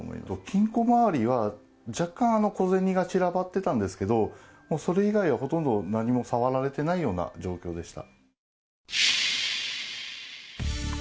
金庫周りは若干小銭が散らばってたんですけれども、もうそれ以外はほとんど何も触られてないような状況でした。